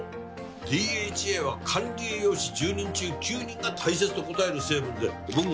ＤＨＡは管理栄養士１０人中９人が大切と答える成分で僕もね